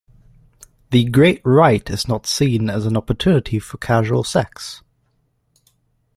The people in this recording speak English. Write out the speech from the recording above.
The Great Rite is not seen as an opportunity for casual sex.